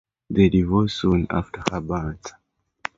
They divorced soon after her birth.